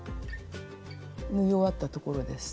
縫い終わったところです。